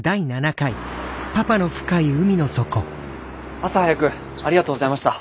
朝早くありがとうございました。